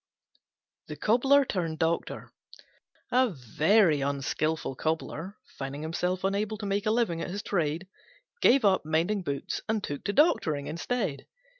THE COBBLER TURNED DOCTOR A very unskilful Cobbler, finding himself unable to make a living at his trade, gave up mending boots and took to doctoring instead.